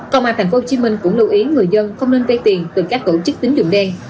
công an tp hcm cũng lưu ý người dân không nên vay tiền từ các tổ chức tính dụng đen